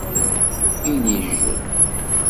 Inijjel.